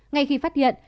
ngay khi phát hiện